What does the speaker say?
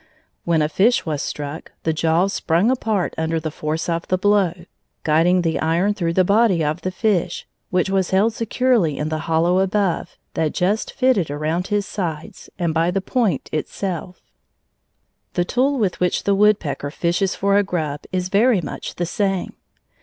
When a fish was struck, the jaws sprung apart under the force of the blow, guiding the iron through the body of the fish, which was held securely in the hollow above, that just fitted around his sides, and by the point itself. [Illustration: Solomon Islander's spear.] The tool with which the woodpecker fishes for a grub is very much the same.